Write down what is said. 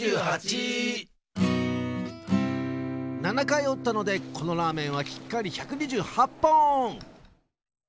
７かいおったのでこのラーメンはきっかり１２８ぽん！